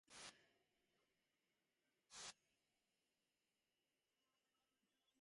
މީހަކަށް ހިލަމެއް ވެސް ނުވެ